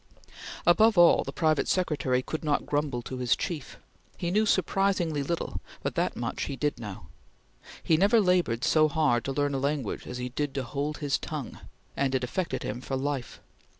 Above all, the private secretary could not grumble to his chief. He knew surprisingly little, but that much he did know. He never labored so hard to learn a language as he did to hold his tongue, and it affected him for life.